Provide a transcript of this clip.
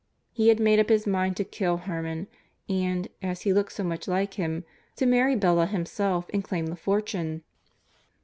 He had made up his mind to kill Harmon, and, as he looked so much like him, to marry Bella himself and claim the fortune.